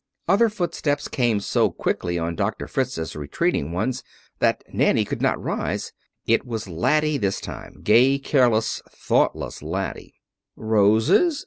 Other footsteps came so quickly on Doctor Fritz' retreating ones that Nanny could not rise. It was Laddie this time gay, careless, thoughtless Laddie. "Roses?